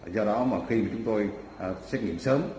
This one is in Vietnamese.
do đó mà khi chúng tôi xét nghiệm sớm